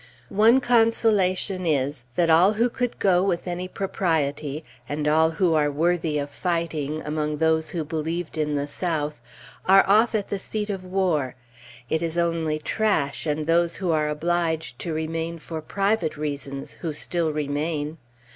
One consolation is, that all who could go with any propriety, and all who were worthy of fighting, among those who believed in the South, are off at the seat of war; it is only trash, and those who are obliged to remain for private reasons, who still remain.